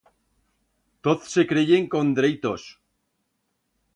Toz se creyen con dreitos.